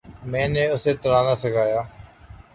میں نے اسے تیرنا سکھایا۔